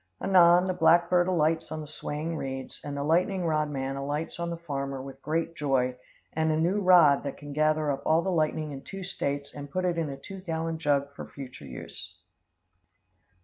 Anon, the black bird alights on the swaying reeds, and the lightning rod man alights on the farmer with great joy and a new rod that can gather up all the lightning in two States and put it in a two gallon jug for future use.